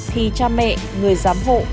thì cha mẹ người giám hộ